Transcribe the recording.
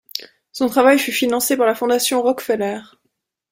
Son travail fut financé par la Fondation Rockefeller.